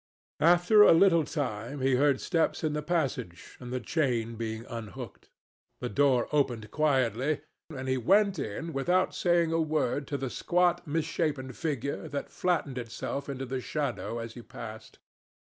After a little time he heard steps in the passage and the chain being unhooked. The door opened quietly, and he went in without saying a word to the squat misshapen figure that flattened itself into the shadow as he passed.